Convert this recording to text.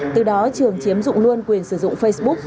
từ đó trường chiếm dụng luôn quyền sử dụng facebook